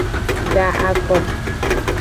Da ako.